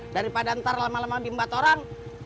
daripada ntar lama lama bimbat orang